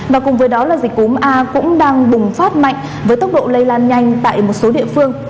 và cùng với đó là dịch cúm a cũng đang bùng phát mạnh với tốc độ lây lan nhanh tại một số địa phương